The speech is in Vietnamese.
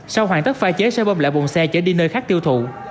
sau hoàn tất pha chế sẽ bông lại bụng xe chở đi nơi khác tiêu thụ